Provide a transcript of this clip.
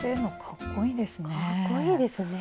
かっこいいですね。